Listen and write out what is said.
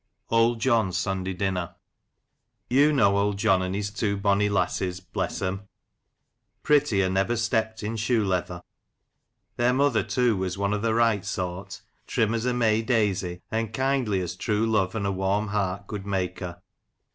OLD JOHN'S SUNDAY DINNER. YOU know Old John, and his two bonnie lasses — ^bless 'em — prettier never stepped in shoe leather. Theiir mother, too, was one of the right sort, trim as a May daisy, and kindly as true love and a warm heart could make her.